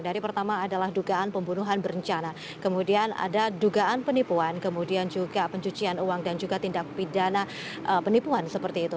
dari pertama adalah dugaan pembunuhan berencana kemudian ada dugaan penipuan kemudian juga pencucian uang dan juga tindak pidana penipuan seperti itu